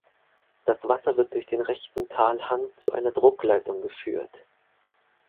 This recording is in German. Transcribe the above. Das Wasser wird durch den rechten Talhang zu einer Druckleitung geführt.